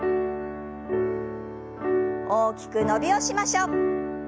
大きく伸びをしましょう。